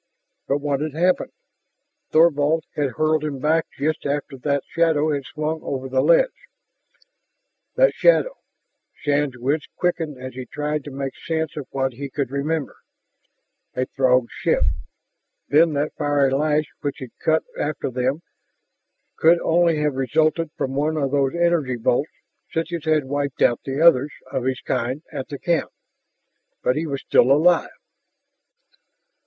But what had happened? Thorvald had hurled him back just after that shadow had swung over the ledge. That shadow! Shann's wits quickened as he tried to make sense of what he could remember. A Throg ship! Then that fiery lash which had cut after them could only have resulted from one of those energy bolts such as had wiped out the others of his kind at the camp. But he was still alive